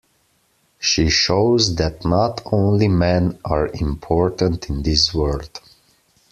She shows that not only men are important in this world.